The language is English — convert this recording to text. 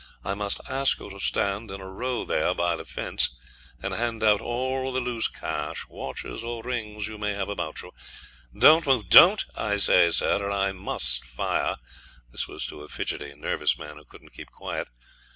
I must ask you to stand in a row there by the fence, and hand out all the loose cash, watches, or rings you may have about you. Don't move; don't, I say, sir, or I must fire.' (This was to a fidgety, nervous man who couldn't keep quiet.)